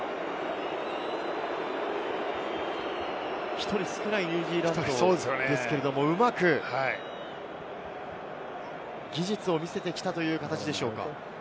１人少ないニュージーランドですけれども、うまく技術を見せてきたという形でしょうか？